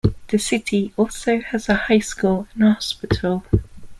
The city also has a high school and hospital.